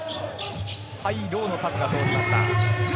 ハイローのパスが通りました。